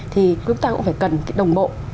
thì chúng ta cũng phải cần cái đồng bộ